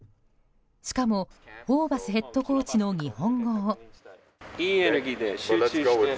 しかも、ホーバスヘッドコーチの日本語を。